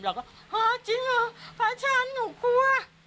แล้วก็จริงเหรอพระอาจารย์หนูกลัว